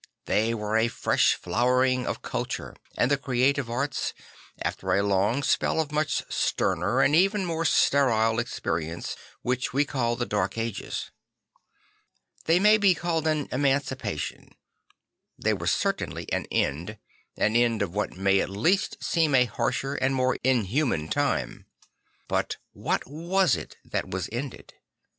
They were a fresh flowering of culture and the creative arts after a long spell of much sterner and even more sterile experience which \ve call the Dark Ages. They may be called an emancipation; they were certainly an end; an end of what may at least seem a harsher and more inhuman time. But what was it that was ended?